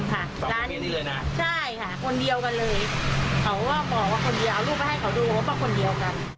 ๒๐๐๐๐๐บาทที่เรือน่ะใช่ค่ะคนเดียวกันเลย